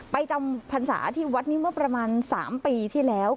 จำพรรษาที่วัดนี้เมื่อประมาณ๓ปีที่แล้ว